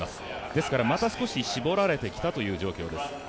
ですから、また少し絞られてきたという状況です。